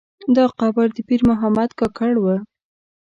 دا قبر د پیر محمد کاکړ و.